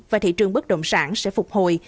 và thị trường bất động sản sẽ phục hồi